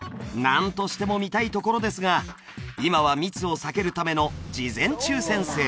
何としても見たいところですが今は密を避けるための事前抽選制